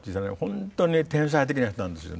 本当に天才的な人なんですよ。